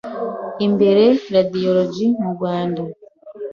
imbere radiyoloji mu Rwanda